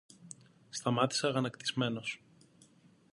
Σταμάτησα αγανακτισμένος